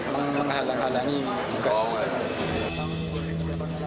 ya menghalangi tugas